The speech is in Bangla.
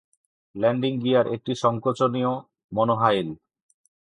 ল্যান্ডিং গিয়ার একটি সঙ্কোচনীয় মনোহাইল।